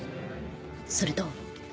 それと。